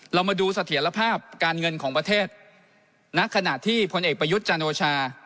เรามาดูเสถียรภาพการเงินของประเทศณขณะที่พลเอกประยุทธ์จันโอชา